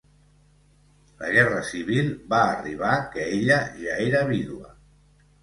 La Guerra Civil va arribar que ella ja era vídua.